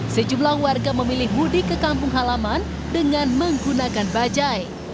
sejumlah warga memilih mudik ke kampung halaman dengan menggunakan bajai